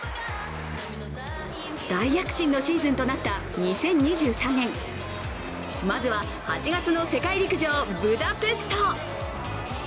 大活躍のシーズンとなった２０２３年、まずは８月の世界陸上ブダペスト。